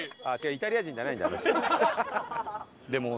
イタリア人じゃないんだあの人。